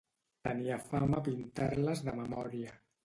Tenia fama pintar-les de memòria.